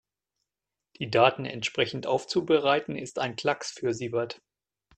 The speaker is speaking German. Die Daten entsprechend aufzubereiten, ist ein Klacks für Siebert.